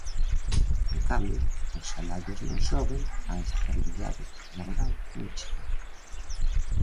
En cambio, os salarios non soben, a estabilidade laboral non chega.